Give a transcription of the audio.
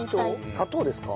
砂糖ですか？